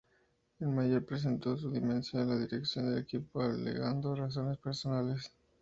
En mayo presentó su dimisión a la dirección del equipo alegando razones personales.